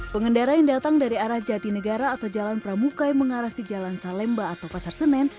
pengendara yang datang dari arah jatinegara atau jalan pramuka yang mengarah ke jalan salemba atau pasar senen